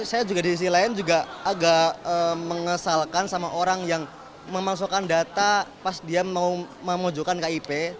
saya juga diisi lain juga agak mengesalkan sama orang yang memasukkan data pas dia mau memujukan kip